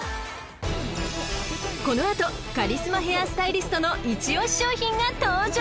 ［この後カリスマヘアスタイリストの一押し商品が登場！］